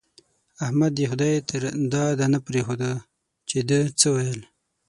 احمد دې د خدای تر داده نه پرېښود چې ده څه ويل.